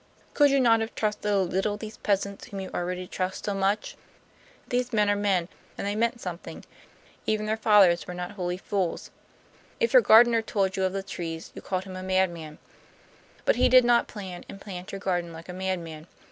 Could you not have trusted a little these peasants whom you already trust so much? These men are men, and they meant something; even their fathers were not wholly fools. If your gardener told you of the trees you called him a madman, but he did not plan and plant your garden like a madman.